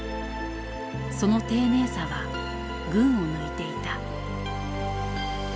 その丁寧さは群を抜いていた。